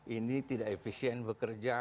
ini tidak efisien bekerja